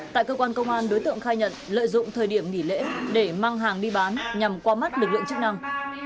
tại cơ quan công an đối tượng khai nhận lợi dụng thời điểm nghỉ lễ để mang hàng đi bán nhằm qua mắt lực lượng chức năng